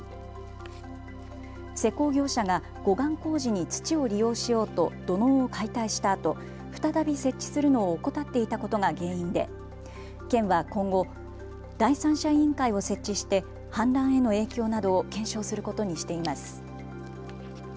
施工業者が護岸工事に土を利用しようと土のうを解体したあと再び設置するのを怠っていたことが原因で県は今後、第三者委員会を設置して氾濫への影響などを検証することにしています。